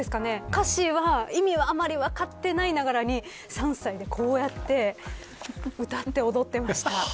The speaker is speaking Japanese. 歌詞の意味はあんまり分かっていないなりに３歳でこうやって歌って踊っていました。